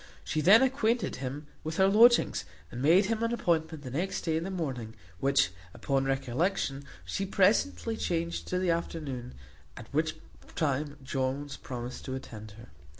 She then acquainted him with her lodgings, and made him an appointment the next day in the morning; which, upon recollection, she presently changed to the afternoon; at which time Jones promised to attend her.